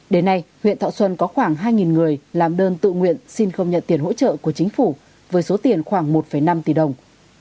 đến nay huyện thọ xuân có khoảng hai người làm đơn tự nguyện xin không nhận tiền hỗ trợ của chính phủ với số tiền khoảng một năm tỷ đồng